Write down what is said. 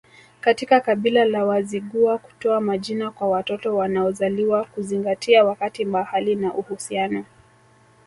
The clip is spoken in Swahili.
Katika kabila la Wazigua kutoa majina kwa watoto wanaozaliwa huzingatia wakati mahali na uhusiano